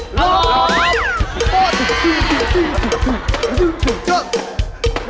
หลบ